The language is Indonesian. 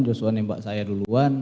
joshua nembak saya duluan